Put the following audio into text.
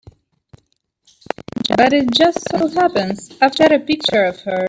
But it just so happens I've got a picture of her.